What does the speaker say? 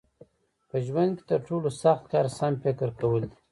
په ژوند کې تر ټولو سخت کار سم فکر کول دي.